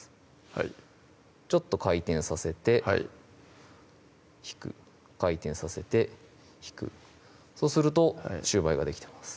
はいちょっと回転させて引く回転させて引くそうすると焼売ができてます